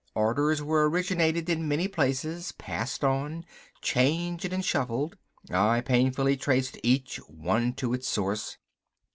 Orders were originated in many places, passed on, changed and shuffled. I painfully traced each one to its source.